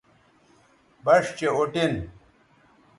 بَݜ چہء اُٹین